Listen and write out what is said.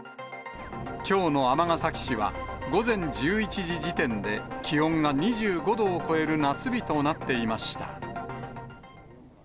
きょうの尼崎市は、午前１１時時点で気温が２５度を超える夏日となっていました。